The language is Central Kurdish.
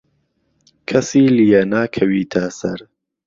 کهسی لیێ ناکهویتە سهر